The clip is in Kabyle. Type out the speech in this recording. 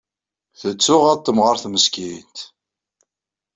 Tettuɣaḍ temɣart meskint.